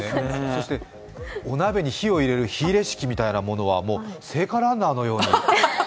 そして、お鍋に火を入れる火入れ式のようなものは、もう聖火ランナーのように。